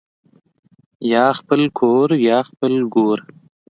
یا خپل کورریا خپل ګور